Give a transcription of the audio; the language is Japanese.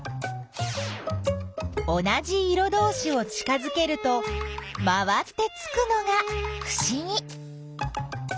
同じ色どうしを近づけると回ってつくのがふしぎ。